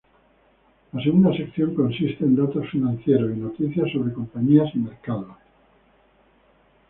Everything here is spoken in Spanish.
La segunda sección consiste en datos financieros y noticias sobre compañías y mercados.